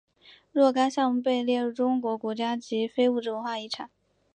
若干项目被列入中国国家级非物质文化遗产。